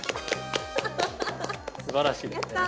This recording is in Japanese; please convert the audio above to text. すばらしいですね。